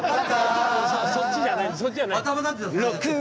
そっちじゃない。